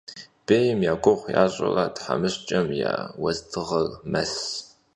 Bêym ya guğu yaş'ure themışç'em ya vuezdığe mes.